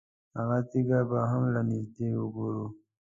هغه تیږه به هم له نږدې وګورو.